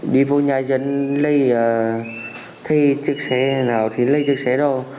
đi vô nhà dân lấy chiếc xe nào thì lấy chiếc xe đó